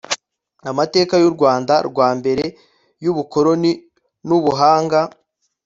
amateka y u Rwanda rwa mbere y ubukoroni n ubuhanga